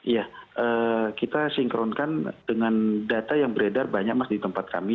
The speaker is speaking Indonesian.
ya kita sinkronkan dengan data yang beredar banyak mas di tempat kami